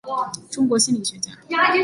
中国心理学家。